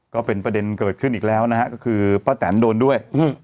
ก็เป็นประเด็นเกิดขึ้นอีกแล้วนะฮะก็คือป้าแตนโดนด้วย